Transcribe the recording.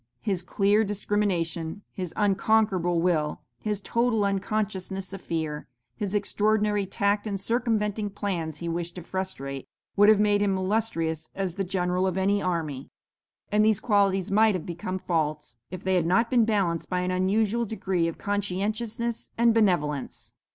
His clear discrimination, his unconquerable will, his total unconsciousness of fear, his extraordinary tact in circumventing plans he wished to frustrate, would have made him illustrious as the general of an army; and these qualities might have become faults, if they had not been balanced by an unusual degree of conscientiousness and benevolence.